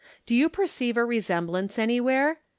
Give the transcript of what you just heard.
Do you perceive a resemblance anywhere?